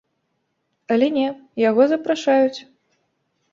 Але не, яго запрашаюць.